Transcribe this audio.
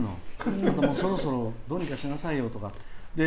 そろそろどうにかしなさいよとか。